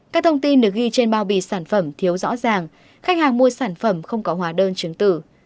các thông tin được ghi trên bao bì sản phẩm thiếu rõ ràng khách hàng mua sản phẩm không có hóa đơn chứng tử